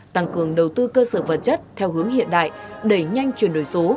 tăng cường đầu tư cơ sở vật chất theo hướng hiện đại đẩy nhanh chuyển đổi số